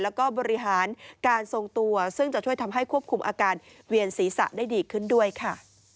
แล้วก็บริหารการทรงตัวซึ่งจะช่วยทำให้ควบคุมอาการเวียนศีรษะได้ดีขึ้นด้วยค่ะ